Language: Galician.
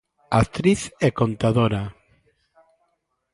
Actriz e contadora.